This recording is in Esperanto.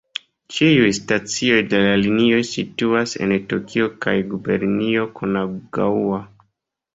Ĉiuj stacioj de la linioj situas en Tokio kaj gubernio Kanagaŭa.